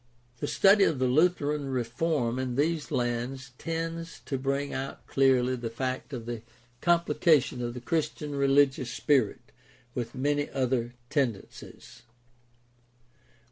The study of the Lutheran reform in these lands tends to bring out clearly the fact of the complication of the Christian religious spirit with many other tendencies.